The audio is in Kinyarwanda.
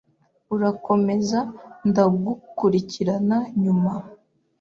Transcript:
Urakomeza ndagukurikirana nyuma.